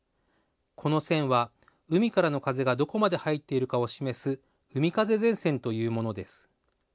この線は、海からの風がどこまで入っているかを示す海風前線というものです。